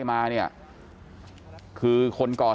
จนกระทั่งหลานชายที่ชื่อสิทธิชัยมั่นคงอายุ๒๙เนี่ยรู้ว่าแม่กลับบ้าน